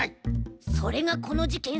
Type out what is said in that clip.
それがこのじけん